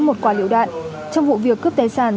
một quả liệu đạn trong vụ việc cướp tài sản